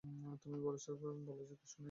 তুমি বলেছ কিছু নেই।